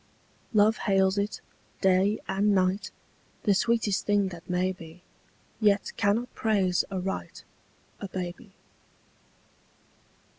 Love hails it, day and night, The sweetest thing that may be Yet cannot praise aright A baby.